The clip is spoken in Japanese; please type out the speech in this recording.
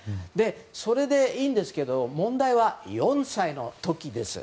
それでいいんですけど問題は４歳の時です。